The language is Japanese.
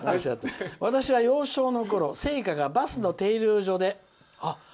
「私は幼少のころ生家がバスの停留所で」。